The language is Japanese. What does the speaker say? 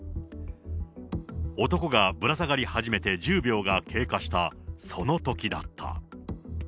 男がぶら下がり始めて１０秒が経過したそのときだった。